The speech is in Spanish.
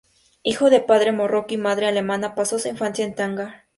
Hijo de padre marroquí y madre alemana, pasó su infancia en Tanger.